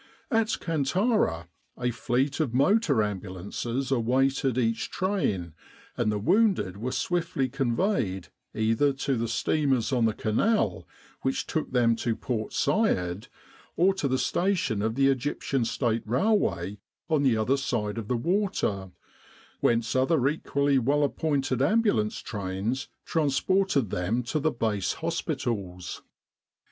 At Kantara a fleet of motor ambulances awaited each train, and the wounded were swiftly conveyed either to the steamers on the Canal, which took them to Port Said, or to the station of the Egyptian State Railway on the other side of the water, whence other equally well appointed ambulance trains transported them to the Base hospitals.